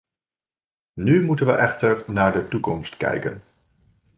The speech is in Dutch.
Nu moeten we echter naar de toekomst kijken.